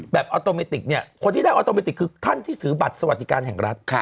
ออโตเมติกเนี่ยคนที่ได้ออโตเมติกคือท่านที่ถือบัตรสวัสดิการแห่งรัฐ